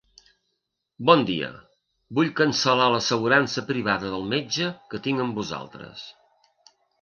Bon dia, vull cancel·lar l'assegurança privada del metge que tinc amb vosaltres.